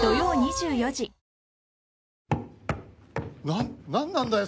な何なんだよ